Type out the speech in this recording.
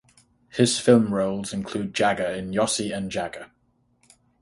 His film roles include Jagger in "Yossi and Jagger".